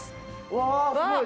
わすごい！